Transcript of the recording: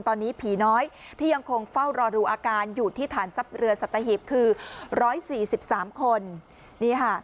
ตอนนี้ผีน้อยที่ยังคงเฝ้ารอดูอาการอยู่ที่ฐานทรัพย์เรือสัตหีบคือ๑๔๓คน